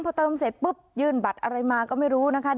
พอเติมเสร็จปุ๊บยื่นบัตรอะไรมาก็ไม่รู้นะคะ